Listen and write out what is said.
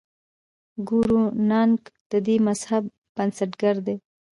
ګورو نانک د دې مذهب بنسټګر و.